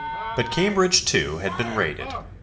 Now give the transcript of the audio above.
But Cambridge, too, had been raided.